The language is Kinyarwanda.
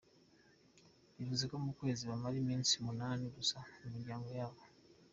Bivuze ko mu kwezi bamara iminsi umunani gusa mu miryango yabo.